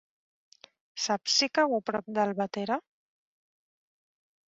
Saps si cau a prop d'Albatera?